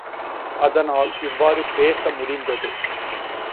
அதனால் இவ்வாறு பேச முடிந்தது.